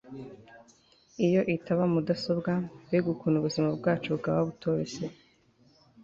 iyo itaba mudasobwa, mbega ukuntu ubuzima bwacu bwaba butoroshye